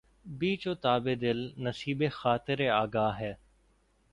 پیچ و تابِ دل نصیبِ خاطرِ آگاہ ہے